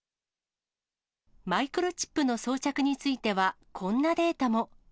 マイクロチップの装着については、こんなデータも。